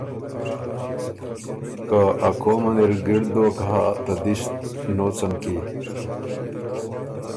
که ا قوم ان اِر ګِړد دوک هۀ ته دست نوڅن کی